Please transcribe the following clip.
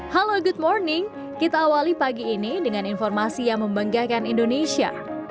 halo good morning kita awali pagi ini dengan informasi yang membanggakan indonesia